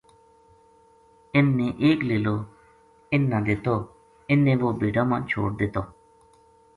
اِن نے ایک لیلواِن نا دتواِ ن نے وہ بھیڈاں ما چھوڈ دتوکیوں جے اُن دھیاڑاں ما لیلا تھانامشکل وھے کیوں جے بھیڈاں ما چھوڈن کو ٹیم ھوے